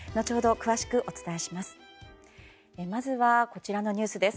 詳しくお伝えします。